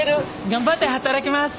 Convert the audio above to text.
頑張って働きます！